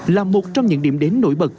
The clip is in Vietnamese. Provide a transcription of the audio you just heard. là một trong những điểm đến nổi bật